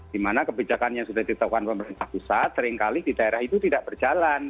dimana kebijakan yang sudah ditetapkan pemerintah pusat seringkali di daerah itu tidak berjalan